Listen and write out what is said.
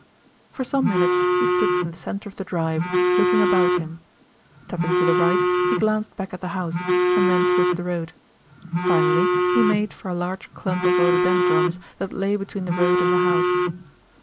For some minutes he stood in the centre of the drive, looking about him. Stepping to the right, he glanced back at the house, and then towards the road. Finally he made for a large clump of rhododendrons that lay between the road and the house.